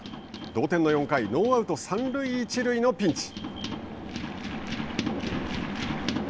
同点の４回、ノーアウト、三塁一塁のピンチ。